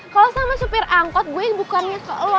kalau sama supir angkot gue bukannya ke lo